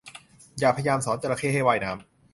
อย่าพยายามสอนจระเข้ให้ว่ายน้ำ